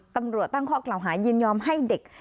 ตำรวจตั้งข้อกล่าวหายินยอมให้เด็ก